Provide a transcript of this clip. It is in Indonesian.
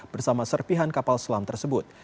bersama serpihan kapal selam tersebut